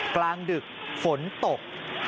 กลางดึกฝนตก